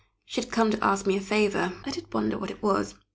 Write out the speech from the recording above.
She had come to ask me a favour. I did wonder what it was!